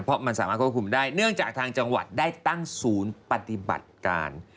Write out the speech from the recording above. เพราะมันสามารถควบคุมได้เนื่องจากทางจังหวัดได้ตั้งศูนย์ปฏิบัติการ